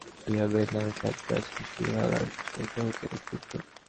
ইহা বেদ নামে খ্যাত প্রাচীন সুবিশাল আর্য-সাহিত্য হইতে উদ্ভূত।